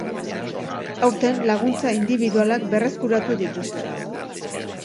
Aurten, laguntza indibidualak berreskuratu dituzte.